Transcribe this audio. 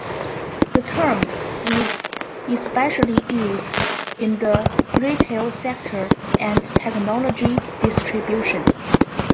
The term is especially used in the retail sector and technology distribution.